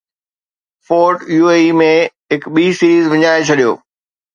fort U A E ۾ هڪ ٻي سيريز وڃائي ڇڏيو